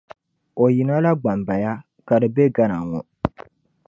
O yina la Gbambaya ka di bɛ Ghana ŋɔ.